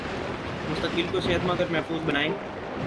مستقبل کو صحت مند اور محفوظ بنائیں